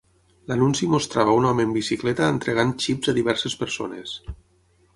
L'anunci mostrava un home en bicicleta entregant xips a diverses persones.